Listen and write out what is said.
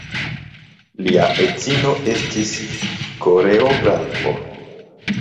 Lia edzino estis koreografo.